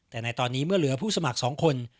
แต่ในตอนนี้เมื่อเหลือผู้สมัคร๒คน